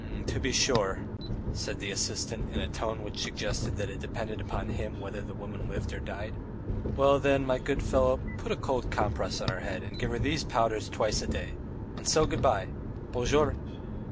"To be sure," said the assistant, in a tone which suggested that it depended upon him whether the woman lived or died. "Well, then, my good fellow, put a cold compress on her head, and give her these powders twice a day, and so good bye. Bonjour."